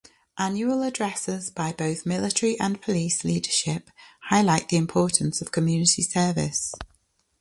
Annual addresses by both military and police leadership highlight the importance of community service.